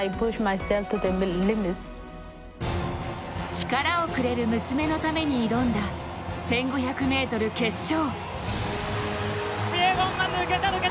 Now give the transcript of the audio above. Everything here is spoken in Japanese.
力をくれる娘のために挑んだ１５００ｍ決勝。